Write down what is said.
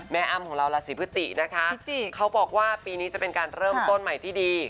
อ้ำของเราราศีพฤจินะคะเขาบอกว่าปีนี้จะเป็นการเริ่มต้นใหม่ที่ดี